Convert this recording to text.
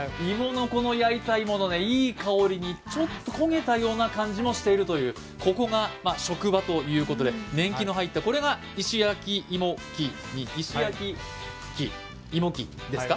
焼いた芋のいい香りにちょっと焦げたような感じもしている、ここが職場ということで、年季の入った、これが石焼き芋機ですか？